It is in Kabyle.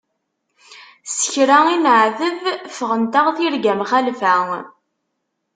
S kra i neɛteb ffɣent-aɣ tirga mxalfa.